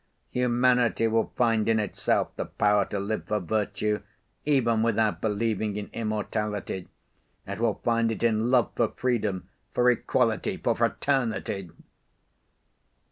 Humanity will find in itself the power to live for virtue even without believing in immortality. It will find it in love for freedom, for equality, for fraternity."